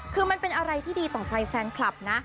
คือมันเป็นอะไรที่ดีต่อใจแฟนคลับนะ